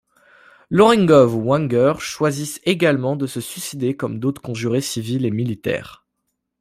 Loringhove ou Wagner choisissent également de se suicider comme d'autres conjurés civils et militaires.